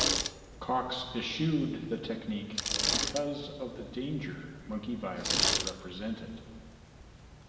Cox eschewed the technique because of the danger monkey virus represented.